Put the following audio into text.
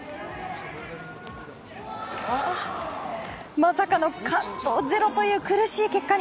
まさかの完登ゼロという苦しい結果に。